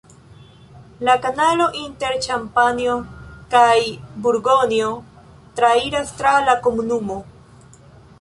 La kanalo inter Ĉampanjo kaj Burgonjo trairas tra la komunumo.